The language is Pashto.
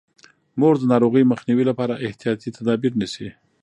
مور د ناروغۍ مخنیوي لپاره احتیاطي تدابیر نیسي.